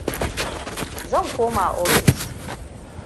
Zan koma ofis.